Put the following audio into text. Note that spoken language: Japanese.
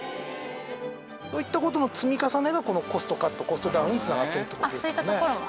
そういった事の積み重ねがこのコストカットコストダウンに繋がってるって事ですよね。